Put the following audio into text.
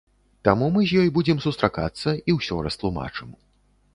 Таму мы з ёй будзем сустракацца і ўсё растлумачым.